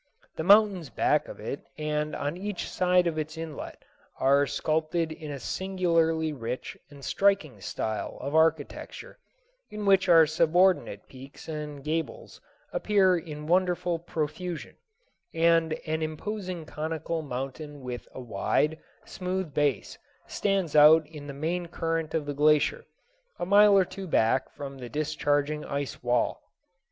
The mountains back of it and on each side of its inlet are sculptured in a singularly rich and striking style of architecture, in which subordinate peaks and gables appear in wonderful profusion, and an imposing conical mountain with a wide, smooth base stands out in the main current of the glacier, a mile or two back from the discharging ice wall.